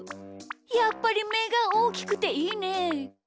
やっぱりめがおおきくていいね。